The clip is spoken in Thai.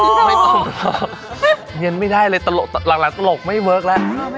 เงินไม่ได้เลยตลกซะหลังตลกว่ามันไม่เวิร์คแล้ว